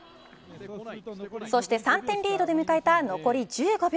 そして３点リードで迎えた残り１５秒。